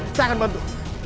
saya akan bantu